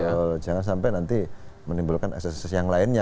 betul jangan sampai nanti menimbulkan ases ases yang lainnya